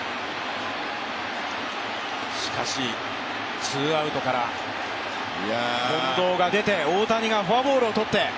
しかしツーアウトから近藤が出て、大谷がフォアボールをとって。